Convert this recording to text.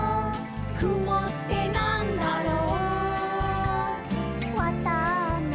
「くもってなんだろう？」